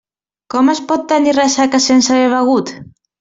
Com es pot tenir ressaca sense haver begut?